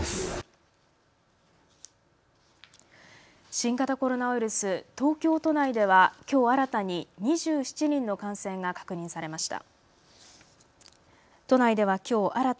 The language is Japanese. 新型コロナウイルス、東京都内では、きょう新たに２７人の感染が確認されました。